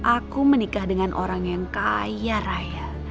aku menikah dengan orang yang kaya raya